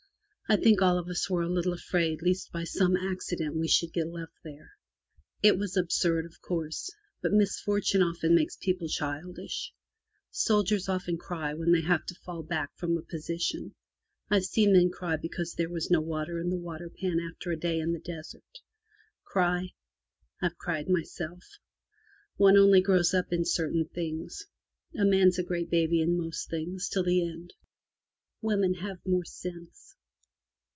I think all of us were a little afraid lest by some accident we should get left there. It was absurd, of course; but misfortune often makes people 267 MY BOOK HOUSE childish. Soldiers often cry when they have to fall back from a position. Fve seen men cry because there was no water in the waterpan after a day in the desert. Cry? Fve cried myself. One only grows up in certain things. A man's a great baby in most things till the end. Women have more sense.